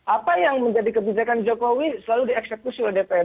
apa yang menjadi kebijakan jokowi selalu dieksekusi oleh dpr